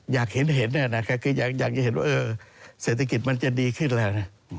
อยากเห็นอยากจะเห็นว่าเศรษฐกิจมันจะดีขึ้นแล้ว